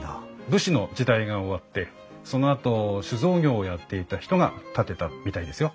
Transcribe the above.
武士の時代が終わってそのあと酒造業をやっていた人が建てたみたいですよ。